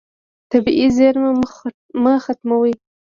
طبیعي زیرمه مه ختموه.